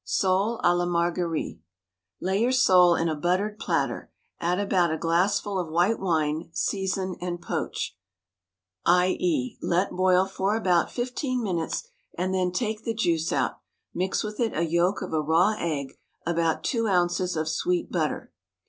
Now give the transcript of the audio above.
Sole a la Marguery Lay your sole in a buttered platter, add about a glassful of white wine, season and poach : I. E. Let boil for about fifteen minutes and then take the juice out, mix with it a yolk of a raw egg, about two ounces of sweet butter.